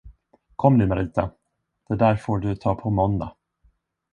Kom nu, Marita, det där får du ta på måndag!